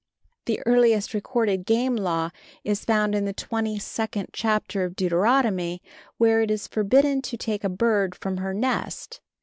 The earliest recorded game law is found in the twenty second chapter of Deuteronomy, where it is forbidden to take a bird from her nest.